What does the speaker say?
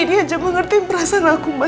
dia aja mengerti perasaan aku ma